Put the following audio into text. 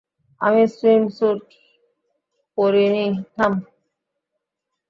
আমি swimsuit পরি নি, থাম!